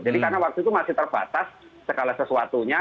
jadi karena waktu itu masih terbatas segala sesuatunya